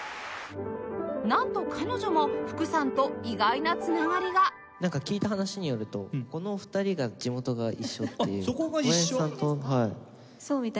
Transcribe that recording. なんと彼女も福さんと意外なつながりがなんか聞いた話によるとこの２人が地元が一緒っていう。